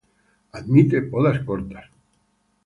Admite podas cortas.